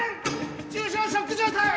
重症ショック状態！